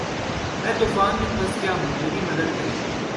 میں طوفان میں پھنس گیا ہوں میری مدد کریں